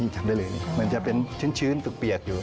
ทำได้เลยมันจะเป็นชื้นเปียกอยู่